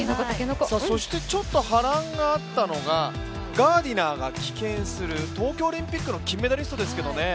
そしてちょっと波乱があったのが、ガーディナーが棄権する、東京オリンピックの金メダリストですけどね。